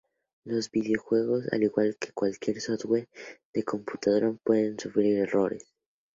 Los videojuegos, al igual que cualquier software de computadora, pueden sufrir errores.